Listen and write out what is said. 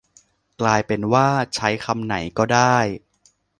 กลายเป็นว่า ใช้คำไหนก็ได้